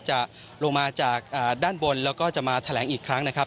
จะลงมาจากด้านบนแล้วก็จะมาแถลงอีกครั้งนะครับ